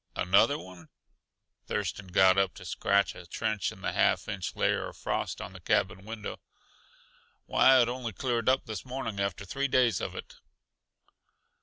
"Another one?" Thurston got up to scratch a trench in the half inch layer of frost on the cabin window. "Why, it only cleared up this morning after three days of it."